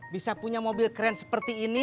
bisa punya mobil keren seperti ini